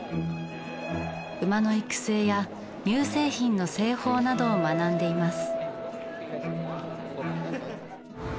馬の育成や乳製品の製法などを学んでいます。